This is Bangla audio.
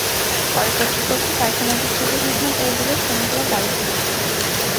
পরে কর্তৃপক্ষ কারখানাটি ছুটি ঘোষণা করে দিলে শ্রমিকেরা বাড়ি চলে যান।